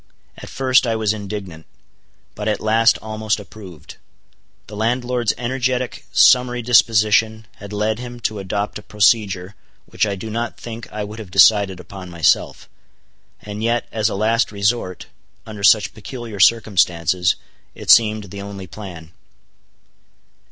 At first I was indignant; but at last almost approved. The landlord's energetic, summary disposition had led him to adopt a procedure which I do not think I would have decided upon myself; and yet as a last resort, under such peculiar circumstances, it seemed the only plan.